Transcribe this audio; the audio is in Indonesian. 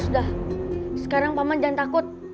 sudah sekarang paman jangan takut